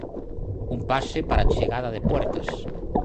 Cun pase para a chegada de Puertas.